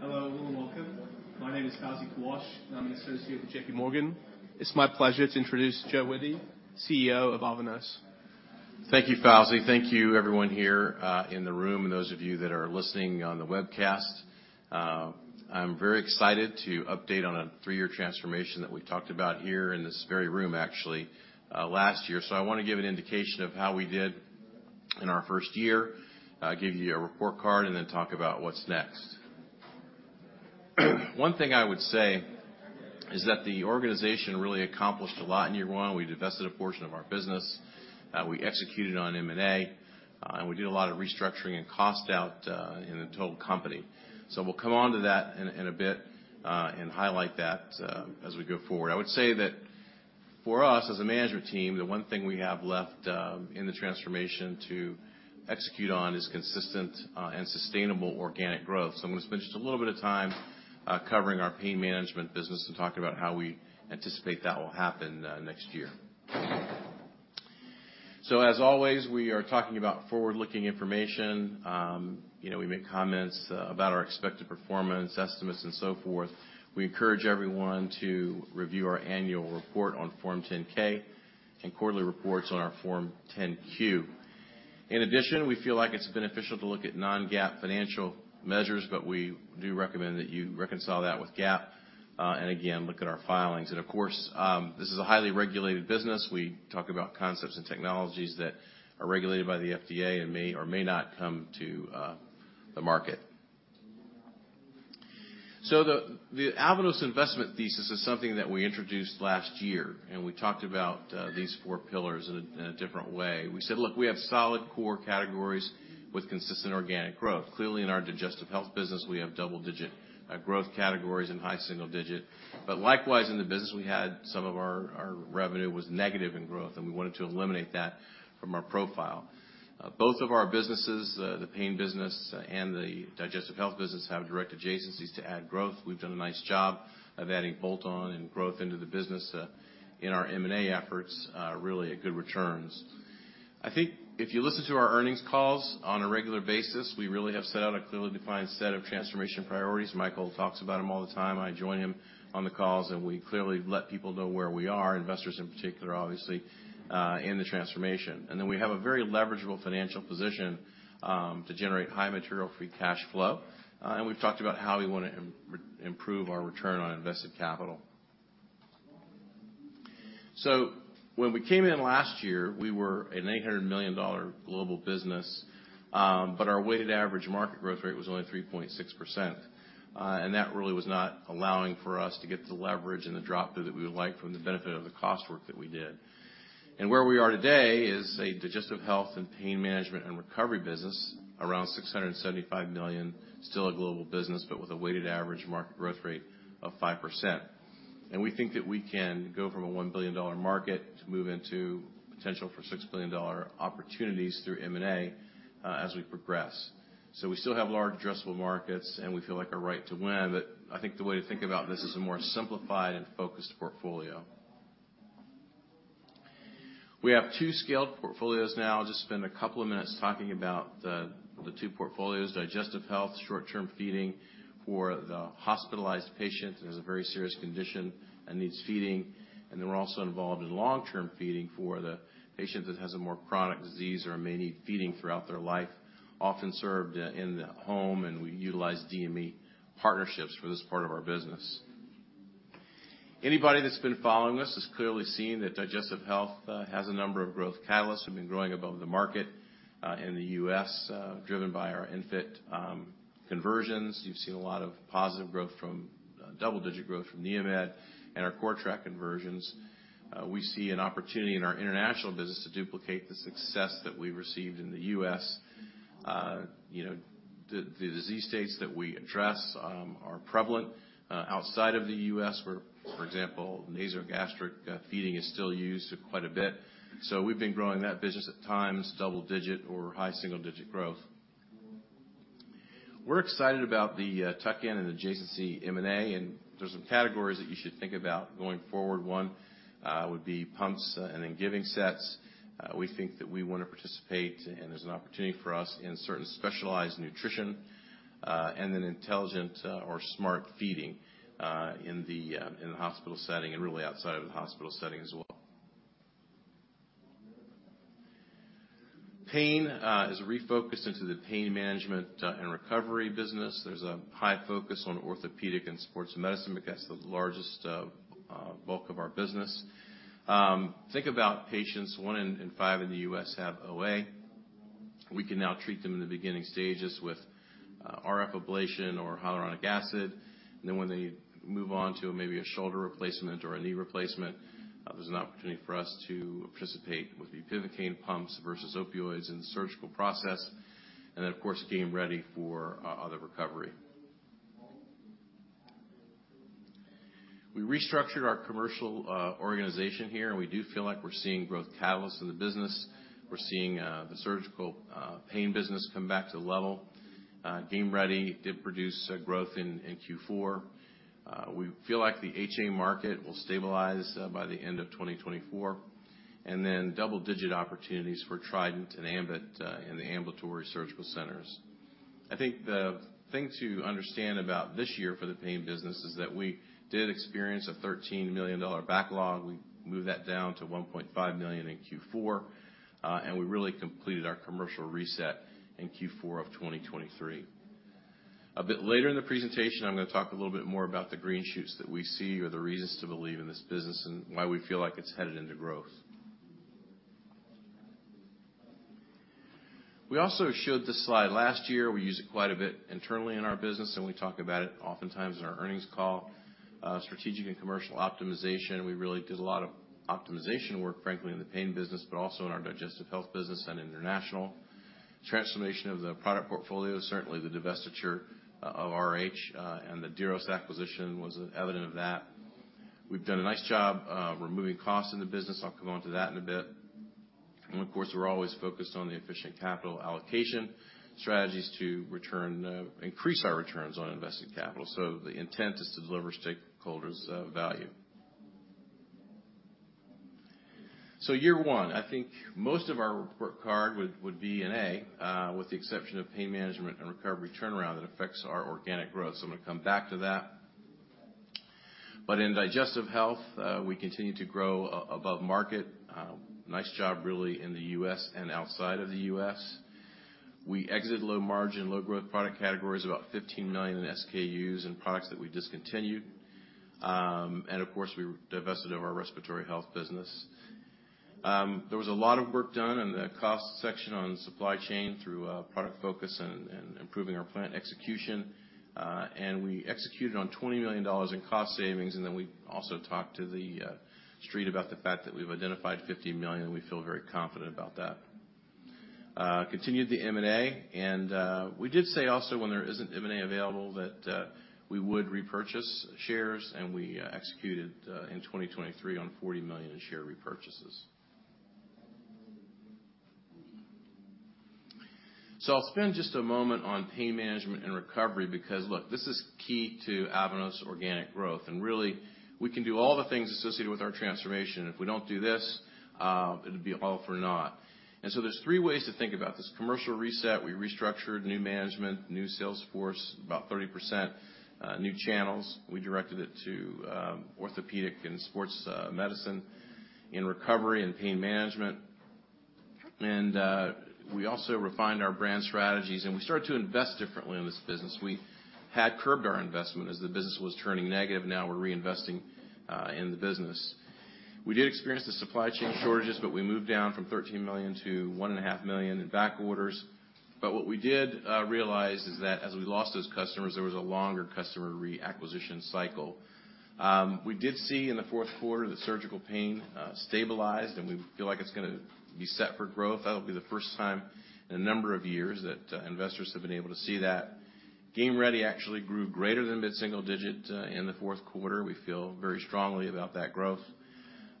Hello and welcome. My name is Fawzi Kawash, and I'm an associate with J.P. Morgan. It's my pleasure to introduce Joe Woody, CEO of Avanos. Thank you, Fawzi. Thank you, everyone here in the room, and those of you that are listening on the webcast. I'm very excited to update on a three-year transformation that we talked about here in this very room, actually, last year. So I wanna give an indication of how we did in our first year, give you a report card, and then talk about what's next. One thing I would say is that the organization really accomplished a lot in year one. We divested a portion of our business, we executed on M&A, and we did a lot of restructuring and cost out in the total company. So we'll come on to that in a bit, and highlight that as we go forward. I would say that for us, as a management team, the one thing we have left in the transformation to execute on is consistent and sustainable organic growth. So I'm gonna spend just a little bit of time covering our pain management business and talking about how we anticipate that will happen next year. So as always, we are talking about forward-looking information. You know, we make comments about our expected performance, estimates, and so forth. We encourage everyone to review our annual report on Form 10-K and quarterly reports on our Form 10-Q. In addition, we feel like it's beneficial to look at non-GAAP financial measures, but we do recommend that you reconcile that with GAAP and again, look at our filings. And of course, this is a highly regulated business. We talk about concepts and technologies that are regulated by the FDA and may or may not come to the market. So the Avanos investment thesis is something that we introduced last year, and we talked about these four pillars in a different way. We said, "Look, we have solid core categories with consistent organic growth." Clearly, in our Digestive Health business, we have double-digit growth categories and high single digit. But likewise, in the business, we had some of our revenue was negative in growth, and we wanted to eliminate that from our profile. Both of our businesses, the Pain business and the Digestive Health business, have direct adjacencies to add growth. We've done a nice job of adding bolt-on and growth into the business in our M&A efforts really at good returns. I think if you listen to our earnings calls on a regular basis, we really have set out a clearly defined set of transformation priorities. Michael talks about them all the time. I join him on the calls, and we clearly let people know where we are, investors in particular, obviously, in the transformation. And then we have a very leverageable financial position to generate high material free cash flow. And we've talked about how we wanna improve our return on invested capital. So when we came in last year, we were an $800 million global business, but our weighted average market growth rate was only 3.6%, and that really was not allowing for us to get the leverage and the drop-through that we would like from the benefit of the cost work that we did. Where we are today is a Digestive Health and Pain Management and Recovery business, around $675 million, still a global business, but with a weighted average market growth rate of 5%. We think that we can go from a $1 billion market to move into potential for $6 billion opportunities through M&A, as we progress. So we still have large addressable markets, and we feel like our right to win. But I think the way to think about this is a more simplified and focused portfolio. We have two scaled portfolios now. I'll just spend a couple of minutes talking about the two portfolios. Digestive Health, short-term feeding for the hospitalized patient who has a very serious condition and needs feeding. Then we're also involved in long-term feeding for the patient that has a more chronic disease or may need feeding throughout their life, often served in the home, and we utilize DME partnerships for this part of our business. Anybody that's been following us has clearly seen that Digestive Health has a number of growth catalysts. We've been growing above the market in the U.S., driven by our ENFit conversions. You've seen a lot of positive growth from double-digit growth from NeoMed and our CORTRAK conversions. We see an opportunity in our international business to duplicate the success that we received in the U.S. You know, the disease states that we address are prevalent outside of the U.S., where, for example, nasogastric feeding is still used quite a bit. So we've been growing that business at times double-digit or high single-digit growth. We're excited about the tuck-in and adjacency M&A, and there's some categories that you should think about going forward. One would be pumps and then giving sets. We think that we want to participate, and there's an opportunity for us in certain specialized nutrition and then intelligent or smart feeding in the hospital setting and really outside of the hospital setting as well. Pain is refocused into the Pain Management and Recovery business. There's a high focus on orthopedic and sports medicine because that's the largest bulk of our business. Think about patients, one in five in the U.S. have OA. We can now treat them in the beginning stages with RF ablation or hyaluronic acid. Then when they move on to maybe a shoulder replacement or a knee replacement, there's an opportunity for us to participate with bupivacaine pumps versus opioids in the surgical process, and then, of course, Game Ready for other recovery. We restructured our commercial organization here, and we do feel like we're seeing growth catalysts in the business. We're seeing the surgical pain business come back to level. Game Ready did produce growth in Q4. We feel like the HA market will stabilize by the end of 2024, and then double-digit opportunities for Trident and ambIT in the ambulatory surgical centers. I think the thing to understand about this year for the pain business is that we did experience a $13 million backlog. We moved that down to $1.5 million in Q4, and we really completed our commercial reset in Q4 of 2023. A bit later in the presentation, I'm gonna talk a little bit more about the green shoots that we see, or the reasons to believe in this business, and why we feel like it's headed into growth. We also showed this slide last year. We use it quite a bit internally in our business, and we talk about it oftentimes in our earnings call. Strategic and commercial optimization, we really did a lot of optimization work, frankly, in the pain business, but also in our digestive health business and international. Transformation of the product portfolio, certainly the divestiture of RH, and the Diros acquisition was evident of that. We've done a nice job, removing costs in the business. I'll come on to that in a bit. And of course, we're always focused on the efficient capital allocation strategies to return, increase our returns on invested capital. So the intent is to deliver stakeholders, value. So year one, I think most of our report card would be an A, with the exception of Pain Management and Recovery turnaround that affects our organic growth. So I'm gonna come back to that. But in digestive health, we continue to grow above market. Nice job, really, in the U.S. and outside of the U.S. We exited low-margin, low-growth product categories, about $15 million in SKUs and products that we discontinued. And of course, we divested of our Respiratory Health business. There was a lot of work done in the cost section on supply chain through product focus and improving our plant execution. And we executed on $20 million in cost savings, and then we also talked to the Street about the fact that we've identified $50 million, and we feel very confident about that. Continued the M&A, and we did say also when there isn't M&A available, that we would repurchase shares, and we executed in 2023 on $40 million in share repurchases. So I'll spend just a moment on Pain Management and Recovery, because, look, this is key to Avanos organic growth, and really, we can do all the things associated with our transformation. If we don't do this, it'll be all for naught. And so there's three ways to think about this: commercial reset, we restructured new management, new sales force, about 30%, new channels. We directed it to orthopedic and sports medicine in recovery and pain management. And we also refined our brand strategies, and we started to invest differently in this business. We had curbed our investment as the business was turning negative. Now we're reinvesting in the business. We did experience the supply chain shortages, but we moved down from $13 million to $1.5 million in back orders. But what we did realize is that as we lost those customers, there was a longer customer reacquisition cycle. We did see in the fourth quarter, the surgical pain stabilized, and we feel like it's gonna be set for growth. That'll be the first time in a number of years that investors have been able to see that. Game Ready actually grew greater than mid-single digit in the fourth quarter. We feel very strongly about that growth.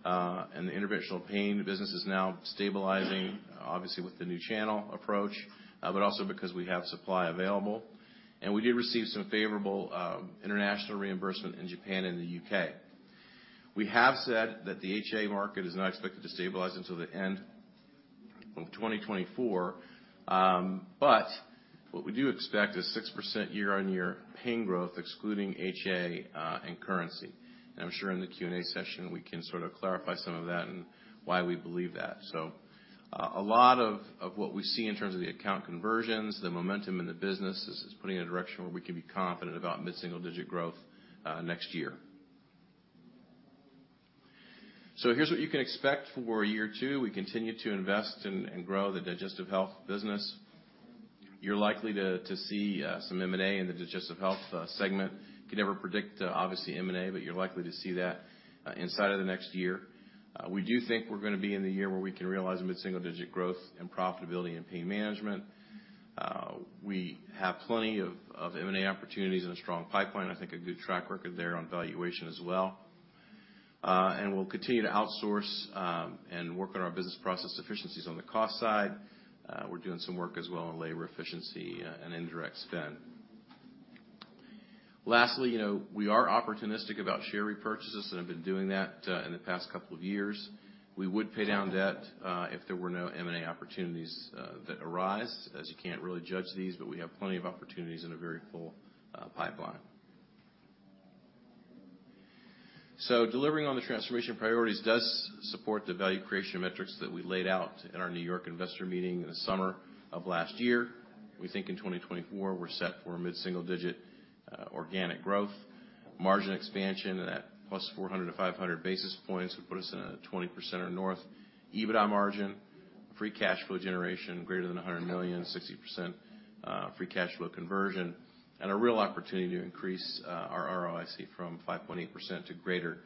And the interventional pain business is now stabilizing, obviously, with the new channel approach, but also because we have supply available. And we did receive some favorable international reimbursement in Japan and the UK. We have said that the HA market is not expected to stabilize until the end of 2024, but what we do expect is 6% year-on-year pain growth, excluding HA, and currency. And I'm sure in the Q&A session, we can sort of clarify some of that and why we believe that. So, a lot of what we see in terms of the account conversions, the momentum in the business, this is putting in a direction where we can be confident about mid-single digit growth next year. So here's what you can expect for year two. We continue to invest and grow the digestive health business. You're likely to see some M&A in the digestive health segment. You can never predict obviously M&A, but you're likely to see that inside of the next year. We do think we're gonna be in the year where we can realize a mid-single digit growth and profitability in pain management. We have plenty of M&A opportunities and a strong pipeline, I think a good track record there on valuation as well. And we'll continue to outsource and work on our business process efficiencies on the cost side. We're doing some work as well on labor efficiency and indirect spend. Lastly, you know, we are opportunistic about share repurchases and have been doing that in the past couple of years. We would pay down debt if there were no M&A opportunities that arise, as you can't really judge these, but we have plenty of opportunities in a very full pipeline. So delivering on the transformation priorities does support the value creation metrics that we laid out in our New York investor meeting in the summer of last year. We think in 2024, we're set for a mid-single digit organic growth, margin expansion, and at +400-500 basis points would put us in a 20% or north EBITDA margin, free cash flow generation greater than $100 million, 60% free cash flow conversion, and a real opportunity to increase our ROIC from 5.8% to greater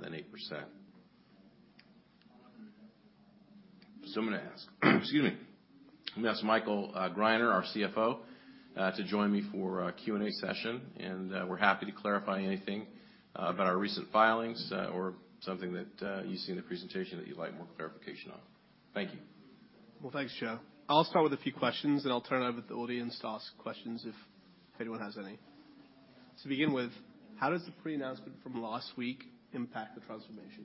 than 8%. So I'm gonna ask, excuse me, ask Michael Greiner, our CFO, to join me for a Q&A session, and we're happy to clarify anything about our recent filings or something that you see in the presentation that you'd like more clarification on. Thank you. Well, thanks, Joe. I'll start with a few questions, and I'll turn it over to the audience to ask questions if anyone has any. To begin with, how does the pre-announcement from last week impact the transformation?...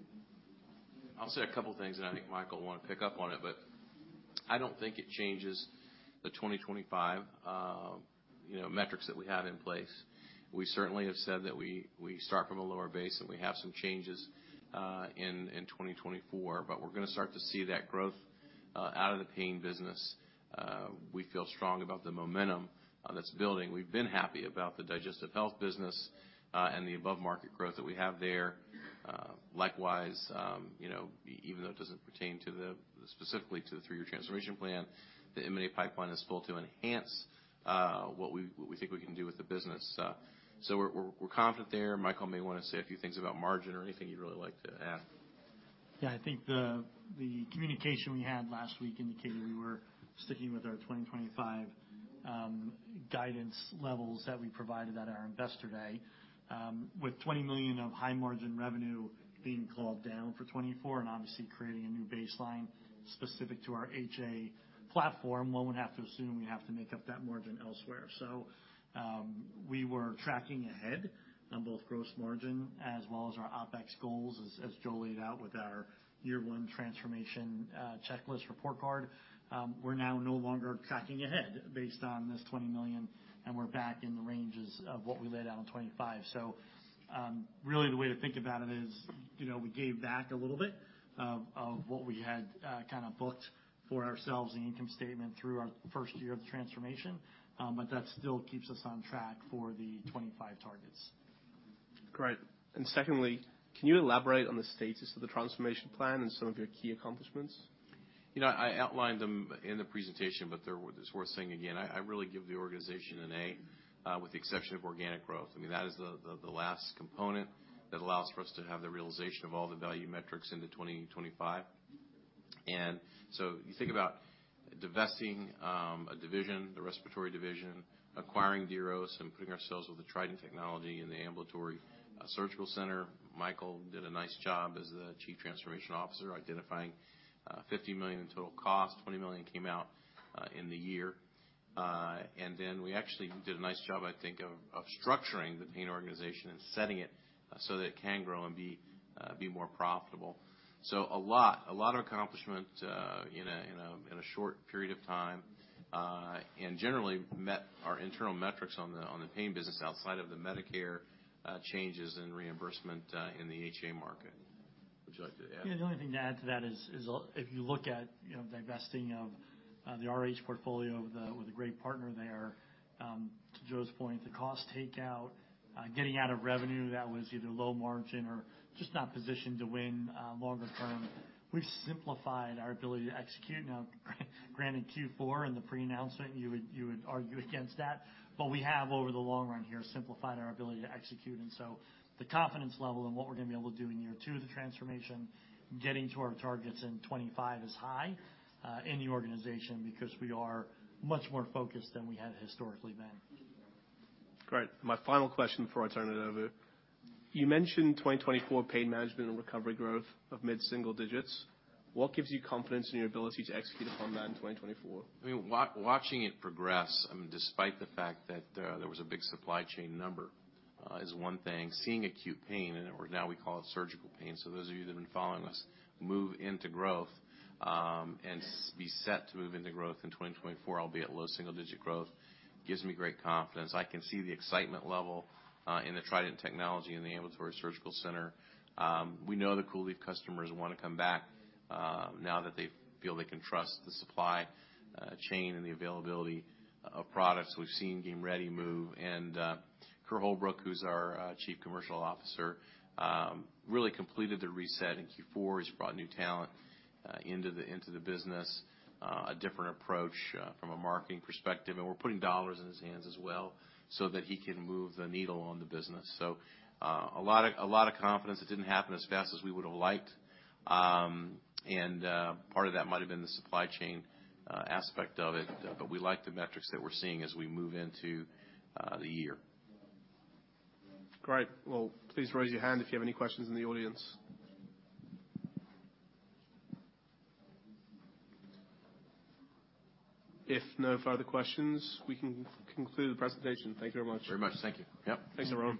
I'll say a couple of things, and I think Michael will want to pick up on it, but I don't think it changes the 2025, you know, metrics that we have in place. We certainly have said that we start from a lower base, and we have some changes in 2024, but we're going to start to see that growth out of the pain business. We feel strong about the momentum that's building. We've been happy about the digestive health business and the above-market growth that we have there. Likewise, you know, even though it doesn't pertain to specifically to the three-year transformation plan, the M&A pipeline is full to enhance what we think we can do with the business. So we're confident there. Michael may want to say a few things about margin or anything you'd really like to add. Yeah, I think the communication we had last week indicated we were sticking with our 2025 guidance levels that we provided at our Investor Day. With $20 million of high-margin revenue being clawed down for 2024 and obviously creating a new baseline specific to our HA platform, one would have to assume we have to make up that margin elsewhere. So, we were tracking ahead on both gross margin as well as our OpEx goals, as Joe laid out with our year one transformation checklist report card. We're now no longer tracking ahead based on this $20 million, and we're back in the ranges of what we laid out in 2025. So, really, the way to think about it is, you know, we gave back a little bit of what we had kind of booked for ourselves in the income statement through our first year of the transformation, but that still keeps us on track for the 25 targets. Great. Secondly, can you elaborate on the status of the transformation plan and some of your key accomplishments? You know, I outlined them in the presentation, but they're. It's worth saying again. I really give the organization an A with the exception of organic growth. I mean, that is the last component that allows for us to have the realization of all the value metrics into 2025. And so you think about divesting a division, the respiratory division, acquiring Diros and putting ourselves with the Trident technology in the ambulatory surgical center. Michael did a nice job as the Chief Transformation Officer, identifying $50 million in total cost, $20 million came out in the year. And then we actually did a nice job, I think, of structuring the pain organization and setting it so that it can grow and be more profitable. So a lot, a lot of accomplishment in a short period of time, and generally met our internal metrics on the pain business outside of the Medicare changes in reimbursement in the HA market. Would you like to add? Yeah, the only thing to add to that is if you look at, you know, divesting of the RH portfolio with a great partner there, to Joe's point, the cost takeout, getting out of revenue that was either low margin or just not positioned to win longer term, we've simplified our ability to execute. Now, granted, Q4 and the pre-announcement, you would argue against that, but we have, over the long run here, simplified our ability to execute. And so the confidence level in what we're going to be able to do in year two of the transformation, getting to our targets in 2025 is high in the organization because we are much more focused than we had historically been. Great. My final question before I turn it over. You mentioned 2024 Pain Management and Recovery growth of mid-single digits. What gives you confidence in your ability to execute upon that in 2024? I mean, watching it progress, despite the fact that there was a big supply chain number, is one thing. Seeing acute pain, and now we call it surgical pain, so those of you that have been following us, move into growth, and be set to move into growth in 2024, albeit low single digit growth, gives me great confidence. I can see the excitement level in the Trident technology in the ambulatory surgical center. We know the COOLIEF customers want to come back, now that they feel they can trust the supply chain and the availability of products. We've seen Game Ready move, and Kerr Holbrook, who's our Chief Commercial Officer, really completed the reset in Q4. He's brought new talent into the business, a different approach from a marketing perspective, and we're putting dollars in his hands as well so that he can move the needle on the business. So, a lot of confidence. It didn't happen as fast as we would have liked. Part of that might have been the supply chain aspect of it, but we like the metrics that we're seeing as we move into the year. Great. Well, please raise your hand if you have any questions in the audience. If no further questions, we can conclude the presentation. Thank you very much. Very much. Thank you. Yep. Thanks, everyone.